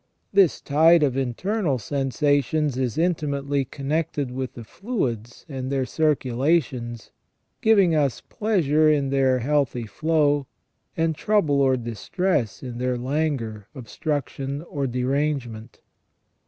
This tide of internal sensations is intimately connected with the fluids and their circulations, giving us pleasure in their healthy flow, and trouble or distress in their languor, obstruction, or derange ment.